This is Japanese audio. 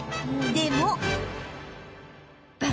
でも